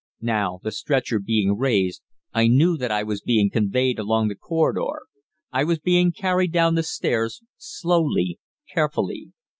Now, the stretcher being raised, I knew that I was being conveyed along the corridor. I was being carried down the stairs, slowly, carefully.